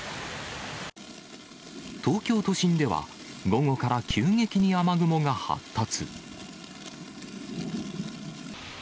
東京都心では午後から急激に雨雲が発達。